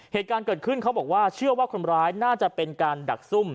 เหตุการณ์เกิดขึ้นเขาบอกว่าเชื่อว่าคนร้ายน่าจะเป็นการดักซุ่ม